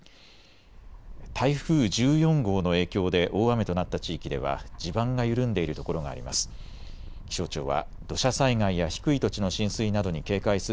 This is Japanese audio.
台風１４号の影響で大雨となった地域では地盤が緩んでいるところがあります。